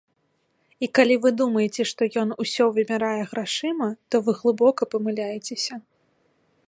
І калі вы думаеце, што ён усё вымярае грашыма, то вы глыбока памыляецеся.